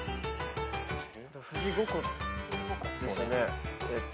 富士五湖ですよね。